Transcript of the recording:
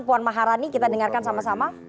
puan maharani kita dengarkan sama sama